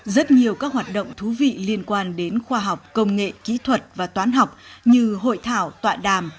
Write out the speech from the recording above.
rất nhiều các hoạt động thú vị liên quan đến khoa học công nghệ kỹ thuật và toán học như hội thảo tọa đàm